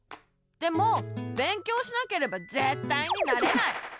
でも勉強しなければぜったいになれない！